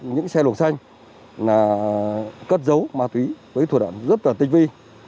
những xe lục xanh là cất giấu ma túy với thủ đoạn rất là tinh vi